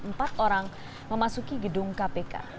empat orang memasuki gedung kpk